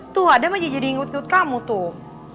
tuh ada mah jadi ngut ngut kamu tuh